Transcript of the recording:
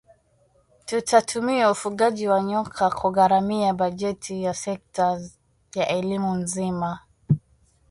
Tutatumia ufugaji wa Nyoka kugharamia bajeti ya sekta ya elimu nzima